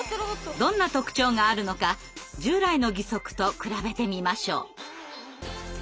どんな特徴があるのか従来の義足と比べてみましょう。